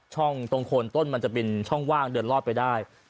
ตรงโคนต้นมันจะเป็นช่องว่างเดินลอดไปได้